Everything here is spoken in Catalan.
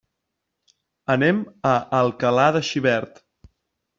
Anem a Alcalà de Xivert.